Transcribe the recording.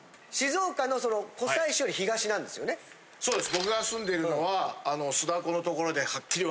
そうです。